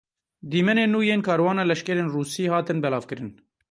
Dîmenên nû yên karwana leşkerên Rûsî hatin belavkirin.